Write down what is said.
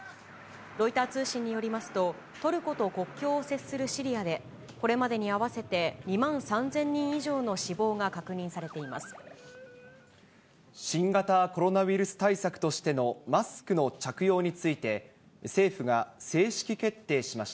ロイター通信によりますと、トルコと国境を接するシリアで、これまでに合わせて２万３０００人以上の死亡が確認されています。